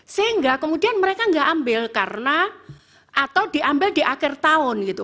sehingga kemudian mereka nggak ambil karena atau diambil di akhir tahun gitu